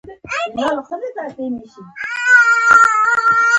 په دې سره د دوی شتمنۍ نورې هم زیاتې شوې